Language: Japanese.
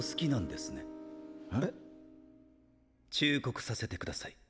えっ⁉忠告させてください。